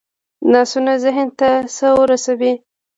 لاسونه ذهن ته څه رسوي